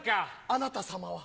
あなた様は？